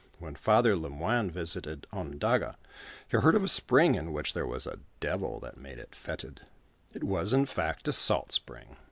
When Father Le Moyne visited Ononduj,'n, he heard of aepriug in which there was a devil that made it fetid; it was, in fact, a salt spring.